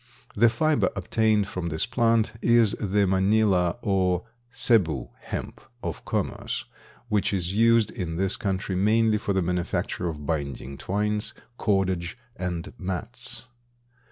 The fiber obtained from this plant is the Manila or Cebu hemp of commerce, which is used, in this country, mainly for the manufacture of binding twines, cordage and mats.